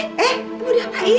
eh mau diapain